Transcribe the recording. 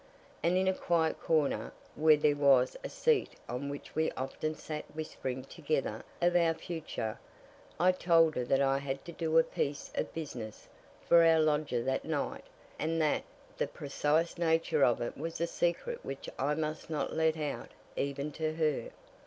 And in a quiet corner, where there was a seat on which we often sat whispering together of our future, I told her that I had to do a piece of business for our lodger that night and that the precise nature of it was a secret which I must not let out even to her.